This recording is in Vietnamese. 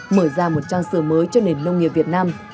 mở ra một trang sửa mới cho nền nông nghiệp việt nam